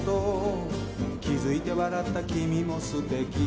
「気付いて笑った君もすてきさ」